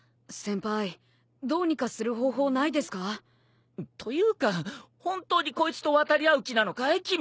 先輩どうにかする方法ないですか？というか本当にこいつと渡り合う気なのかい？